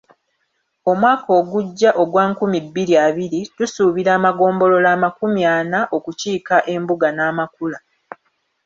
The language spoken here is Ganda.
Omwaka ogujja ogwa nkumi bbiri abiri, tusuubira amagombolola amakumi ana okukiika embuga n’amakula.